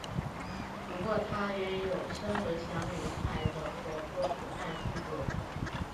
不过她也有身为小女孩的活泼可爱性格。